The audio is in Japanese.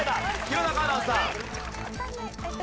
弘中アナウンサー。